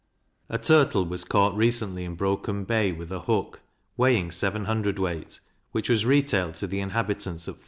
A turtle was caught recently in Broken Bay, with a hook, weighing seven hundred weight, which was retailed to the inhabitants at 4d.